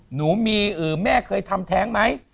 หนูมีแม่เคยทำแท้งไหม